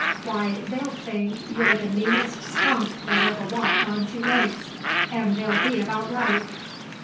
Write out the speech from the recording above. Why, they'll think you're the meanest skunk that ever walked on two legs; and they'll be about right.